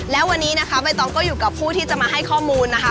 และวันนี้นะคะใบตองก็อยู่กับผู้ที่จะมาให้ข้อมูลนะคะ